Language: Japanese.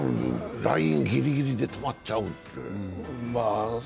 ラインぎりぎりで止まっちゃう。